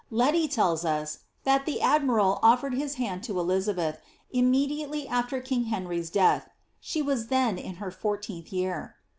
Leti tells us, that the admiral offered his hand to Elizabeth, immediately after king Henry ^s death : fhe was then in her fourteenth year.